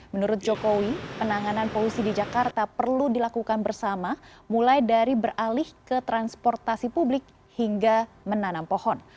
menurut jokowi penanganan polusi di jakarta perlu dilakukan bersama mulai dari beralih ke transportasi publik hingga menanam pohon